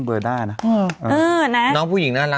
พระบังพิษพนธุ์